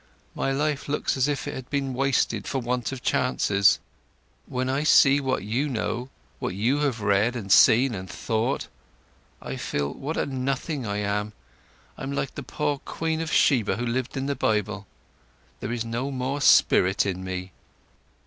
My life looks as if it had been wasted for want of chances! When I see what you know, what you have read, and seen, and thought, I feel what a nothing I am! I'm like the poor Queen of Sheba who lived in the Bible. There is no more spirit in me."